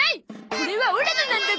これはオラのなんだゾ！